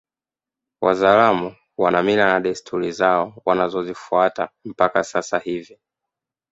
Wazaramo wana mila na desturi zao wanazozifuata mpaka sasa hivi